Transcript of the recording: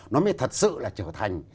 nó mới thật sự là trở thành